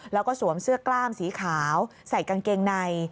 แล้วก็สวมเสื้อกล้ามสีขาวใส่กางเกงใน